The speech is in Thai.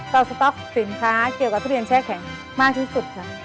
สต๊อกสินค้าเกี่ยวกับทุเรียนแช่แข็งมากที่สุดค่ะ